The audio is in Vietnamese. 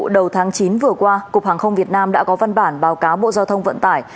đầu tháng chín vừa qua cục hàng không việt nam đã có văn bản báo cáo bộ giao thông vận tải